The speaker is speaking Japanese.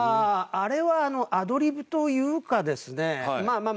あれはアドリブというかですねまあ